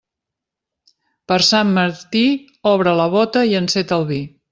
Per Sant Martí, obri la bóta i enceta el vi.